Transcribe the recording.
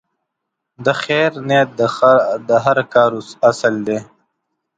د خیر نیت د هر کار اصل دی.